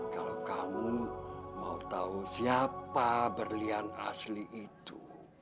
kalau kamu mau tahu siapa berlian asli itu